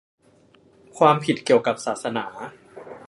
ความผิดเกี่ยวกับศาสนา